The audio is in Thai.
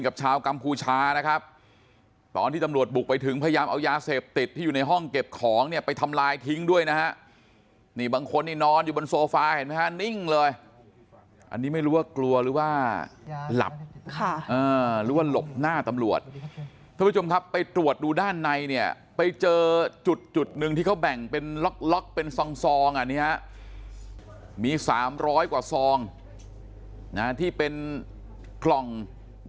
ชาวกัมพูชานะครับตอนที่ตำรวจบุกไปถึงพยายามเอายาเสพติดที่อยู่ในห้องเก็บของเนี่ยไปทำลายทิ้งด้วยนะฮะนี่บางคนนี่นอนอยู่บนโซฟาเห็นไหมฮะนิ่งเลยอันนี้ไม่รู้ว่ากลัวหรือว่าหลับหรือว่าหลบหน้าตำรวจท่านผู้ชมครับไปตรวจดูด้านในเนี่ยไปเจอจุดจุดหนึ่งที่เขาแบ่งเป็นล็อกล็อกเป็นซองซองอันนี้ฮะมีสามร้อยกว่าซองนะที่เป็นกล่อง